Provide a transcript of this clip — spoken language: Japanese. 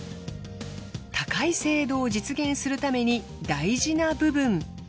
高い精度を実現するために大事な部分。